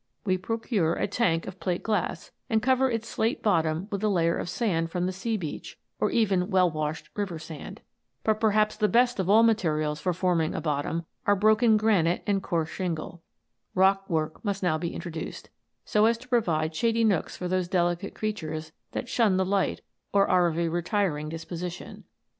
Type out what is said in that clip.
We procure a tank of plate glass, and cover its slate bottom with a layer of sand from the sea beach, or even well washed river sand. But * A Naturalist's Rambles on the Devonshire Coast. 138 ANIMATED FLOWERS. perhaps the best of all materials for forming a bot tom are broken granite and coarse shingle. Hock work must now be introduced, so as to provide shady nooks for those delicate creatures that shun the light or are of a retiring disposition.